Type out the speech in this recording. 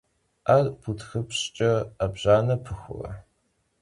'er butxıpş'ç'e, 'ebjaner pıxure?